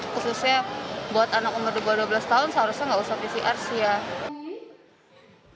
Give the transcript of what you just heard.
khususnya buat anak umur di bawah dua belas tahun seharusnya nggak usah pcr sih ya